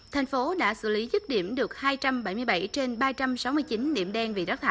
thành phố đã xử lý dứt điểm được hai trăm bảy mươi bảy trên ba trăm sáu mươi chín điểm đen vì đất thải